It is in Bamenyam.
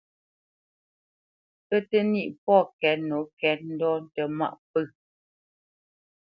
Pə́ tə nîʼ pɔ̂ kɛ́t nǒ kɛ́t ndɔ̂ tə mâʼ pə̂.